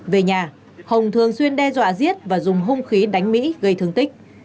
về nhà hồng thường xuyên đe dọa giết và dùng hung khí đánh mỹ gây thương tích